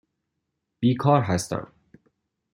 بیکار هستم.